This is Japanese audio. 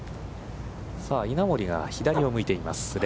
さあ、稲森が左を向いています。